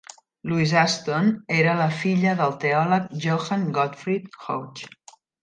Louise Aston era la filla del teòleg Johann Gottfried Hoche.